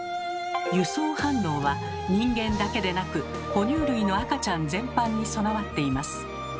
「輸送反応」は人間だけでなく哺乳類の赤ちゃん全般に備わっています。